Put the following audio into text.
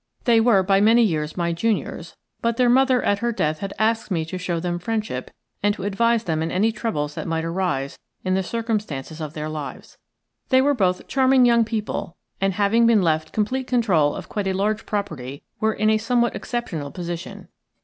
They were by many years my juniors, but their mother at her death had asked me to show them friendship and to advise them in any troubles that might arise in the circumstances of their lives. They were both charming young people, and having been left complete control of quite a large property were in a somewhat exceptional position.